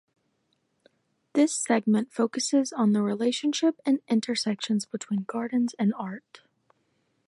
This segment focuses on the relationship and intersections between gardens and art.